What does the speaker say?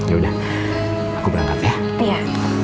yaudah aku berangkat ya